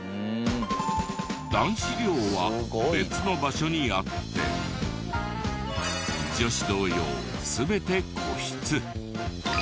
男子寮は別の場所にあって女子同様全て個室。